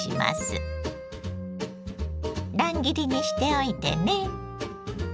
乱切りにしておいてね。